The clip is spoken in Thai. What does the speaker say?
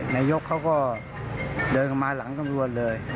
นายกเขาก็เดินเข้ามาหลังตำรวจเลย